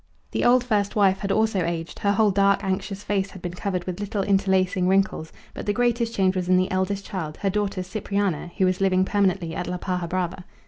The old first wife had also aged her whole dark, anxious face had been covered with little interlacing wrinkles; but the greatest change was in the eldest child, her daughter Cipriana, who was living permanently at La Paja Brava.